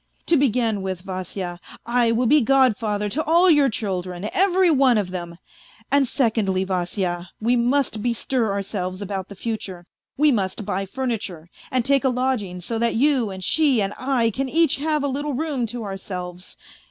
" To begin with, Vasya, I will be godfather to all your children, every one of them ; and secondly, Vasya, we must bestir ourselves about the future. We must buy furniture, and take a lodging so that you and she and I can each have a little room to ourselves.